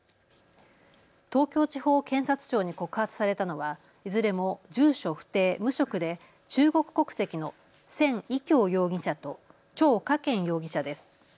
東京地方検察庁に告発されたのはいずれも住所不定、無職で中国国籍のせん偉強容疑者と趙家健容疑者です。